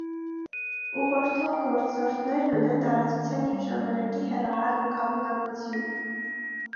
Ուղղորդող գործորդներն ունեն տարածության և ժամանակի հեռահար ընկալունակություն։